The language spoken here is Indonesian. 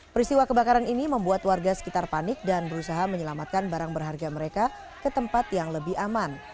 peristiwa kebakaran ini membuat warga sekitar panik dan berusaha menyelamatkan barang berharga mereka ke tempat yang lebih aman